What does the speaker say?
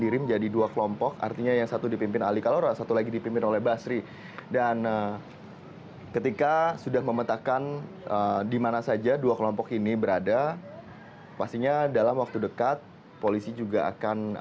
ini masih kawasan